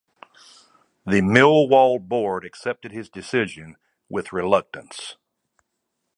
The Millwall board accepted his decision "with reluctance".